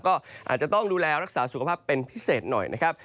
ก็อาจจะต้องดูแลรักษาสุขภาพเป็นพิเศษหน่อยนะครับ